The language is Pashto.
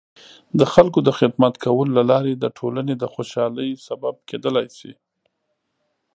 د خلکو د خدمت کولو له لارې د ټولنې د خوشحالۍ سبب کیدلای شي.